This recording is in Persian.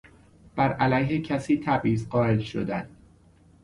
برعلیه کسی تبعیض قایل شدن